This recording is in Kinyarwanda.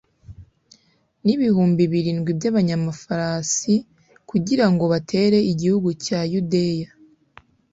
n'ibihumbi birindwi by'abanyamafarasi, kugira ngo batere igihugu cya yudeya